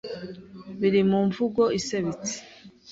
biri mu mvugo isebetse.